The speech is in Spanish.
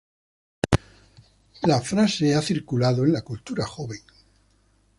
La frase ha circulado en la cultura joven.